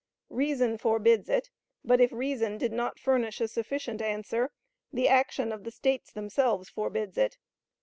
Reason forbids it; but, if reason did not furnish a sufficient answer, the action of the States themselves forbids it.